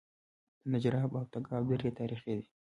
د نجراب او تګاب درې تاریخي دي